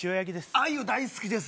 アユ大好きです